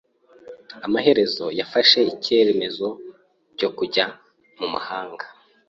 Amaherezo yafashe icyemezo cyo kujya mu mahanga.